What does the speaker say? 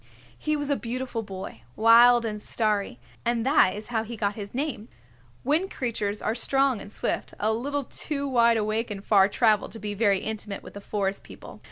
He was a beautiful boy, wild and starry, and that is how he got his name. Wind Creatures are strong and swift, a little too wide awake and far traveled to be very intimate with the Forest People.